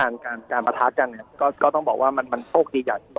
แล้วกันการประทัดกันเนี่ยก็ต้องบอกว่ามันโชคดียาก็